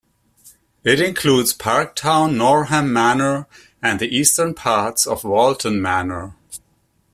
It includes Park Town, Norham Manor, and the eastern parts of Walton Manor.